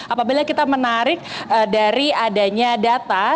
apabila kita menarik dari adanya data